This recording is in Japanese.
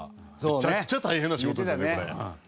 めちゃくちゃ大変な仕事ですよねこれ。